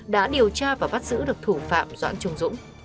đã điều tra và bắt giữ được thủ phạm doãn trung dũng